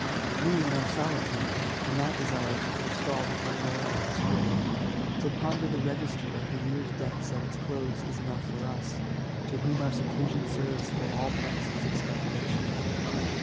We, in our solitude, do not desire to forestal the unrolling of the scroll. To ponder the register of the year's deaths at its close, is enough for us, to whom our seclusion serves for all purposes of speculation.